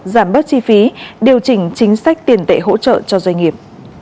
giảm bớt chi phí điều chỉnh chính sách tiền tệ hỗ trợ cho doanh nghiệp